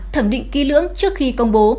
thẩm định ký lưỡng trước khi công bố